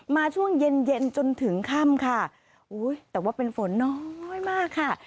ช่วงเย็นเย็นจนถึงค่ำค่ะอุ้ยแต่ว่าเป็นฝนน้อยมากค่ะ